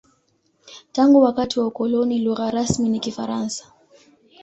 Tangu wakati wa ukoloni, lugha rasmi ni Kifaransa.